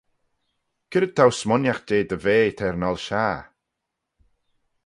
C'red t'ou smooniaght jeh dty vea t'er ngholl shiaghey?